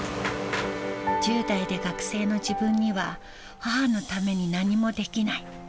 １０代で学生の自分には、母のために何もできない。